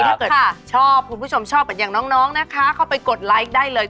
ถ้าเกิดชอบคุณผู้ชมชอบอย่างน้องนะคะเข้าไปกดไลค์ได้เลย